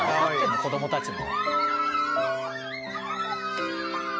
子供たちも。